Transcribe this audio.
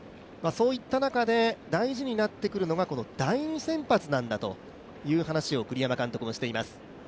そういった中で大事になってくるのが第２先発なんだという話を栗山監督もしています。